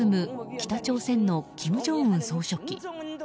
北朝鮮の金正恩総書記。